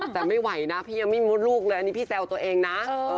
แต่ไม่ไหวนะพี่ยังไม่มดลูกเลยอันนี้พี่แซวตัวเองนะ